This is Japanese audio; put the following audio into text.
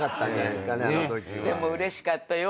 でもうれしかったよ。